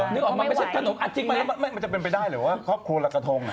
นึกออกมันไม่ใช่ขนมอาทิตย์มันจะเป็นไปได้หรือว่าครอบครัวละกระทง